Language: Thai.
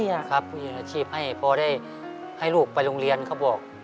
ผู้หญิงอาชีพให้พอได้ให้ลูกไปโรงเรียนเขาบอก